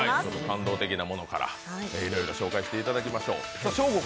感動的なものからいろいろ紹介してもらいましょう。